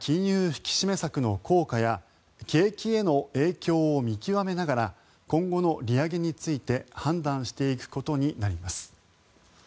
引き締め策の効果や景気への影響を見極めながら今後の利上げについて判断していくことになります。